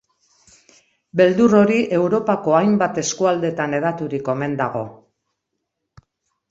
Beldur hori Europako hainbat eskualdetan hedaturik omen dago.